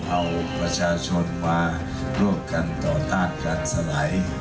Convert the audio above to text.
เอาประชาชนมาร่วมกันต่อต้านการสลาย